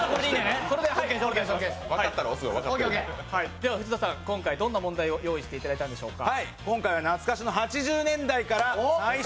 では藤田さん、今回はどんな問題を用意していただいたんでしょうか。